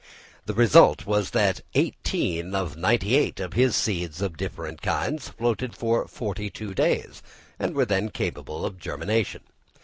The result was that 18/98 of his seeds of different kinds floated for forty two days, and were then capable of germination.